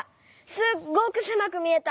すっごくせまくみえた。